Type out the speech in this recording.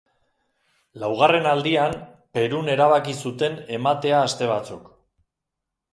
Laugarren aldian, Perun erabaki zuten ematea aste batzuk.